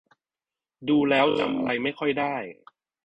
ดูแล้วจำอะไรไม่ค่อยได้